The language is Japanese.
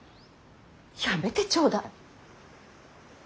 やめてちょうだい。